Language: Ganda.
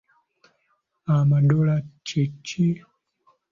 Amadola kye ki?